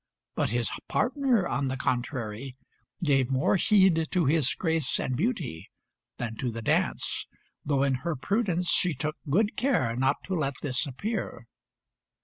But his partner, on the contrary, gave more heed to his grace and beauty than to the dance, though in her prudence she took good care not to let this appear.